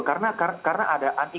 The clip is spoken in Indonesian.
karena ada antikotrismen di sini